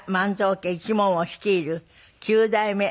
家一門を率いる九代目。